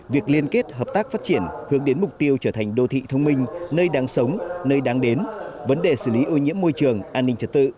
việc liên kết hợp tác phát triển hướng đến mục tiêu trở thành đô thị thông minh nơi đang sống nơi đang đến vấn đề xử lý ô nhiễm môi trường an ninh trật tự